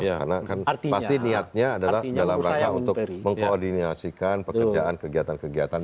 karena kan pasti niatnya adalah dalam rangka untuk mengkoordinasikan pekerjaan kegiatan kegiatan ini